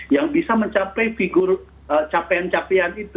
yang bisa mencapai figur capaian capaian itu